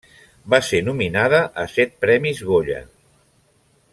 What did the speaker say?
Va ser nominada a set premis Goya.